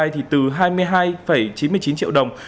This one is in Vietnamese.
thì từ hai mươi hai chín mươi chín triệu đồng